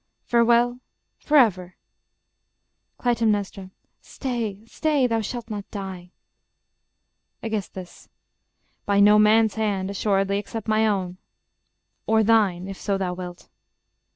Farewell... forever! Cly. Stay, stay... Thou shalt not die. Aegis. By no man's hand Assuredly, except my own: or thine, If so thou wilt.